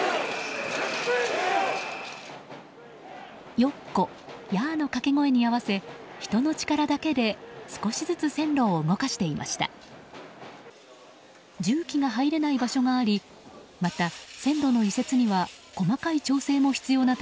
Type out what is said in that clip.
よっこ、ヤーの掛け声に合わせ人の力だけで少しずつ線路を動かしていました。